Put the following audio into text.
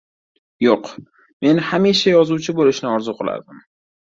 – Yoʻq, men hamisha yozuvchi boʻlishni orzu qilardim.